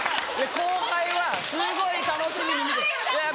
後輩はすごい楽しみに見ていや